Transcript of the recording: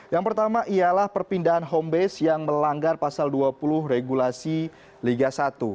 yang pertama ialah perpindahan home base yang melanggar pasal dua puluh regulasi liga satu